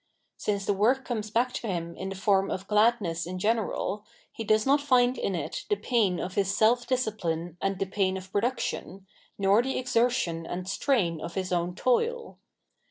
Since the work comes back to him in the form of gladness in general, he does not find in it the pain of his self discipline and the pain of production, nor the exertion and strain of his own toil.